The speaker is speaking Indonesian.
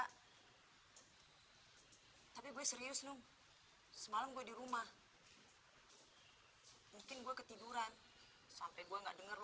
hai tapi gue serius nung semalam gue di rumah hai mungkin gue ketiduran sampai gue nggak denger